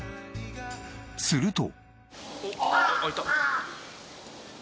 すると。